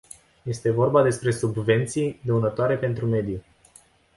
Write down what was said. Este vorba despre subvenții dăunătoare pentru mediu.